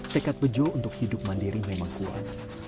tekad bejo untuk hidup mandiri memang kuat